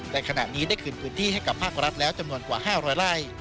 แต่ขณะนี้ได้คืนพื้นที่ให้กับภาครัฐแล้วจำนวนกว่า๕๐๐ไร่